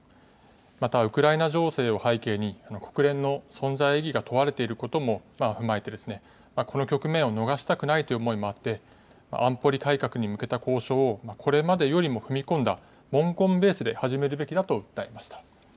また、ウクライナ情勢を背景に国連の存在意義が問われていることも踏まえてこの局面を逃したくないという思いもあって安保理改革に向けた交渉をこれまでよりも踏み込んだ文言ベースで始めるべきだと訴えました。